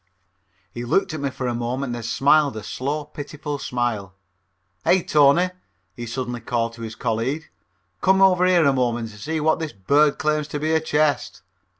He looked at me for a moment, then smiled a slow, pitying smile. "Hey, Tony," he suddenly called to his colleague, "come over here a moment and see what this bird claims to be a chest."